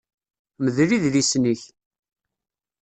Mdel idlisen-ik!